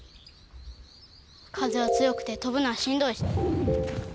風は強くて飛ぶのはしんどいし。